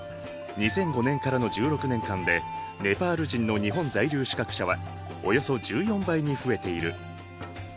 ２００５年からの１６年間でネパール人の日本在留資格者はおよそ１４倍に増えている。